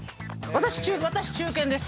私中堅です。